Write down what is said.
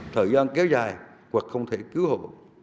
thời gian kéo dài hoặc không thể cứu hộ